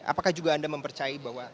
apakah juga anda mempercayai bahwa